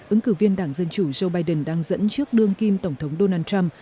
ứng cử viên đảng dân chủ joe biden đang dẫn trước đương kim tổng thống donald trump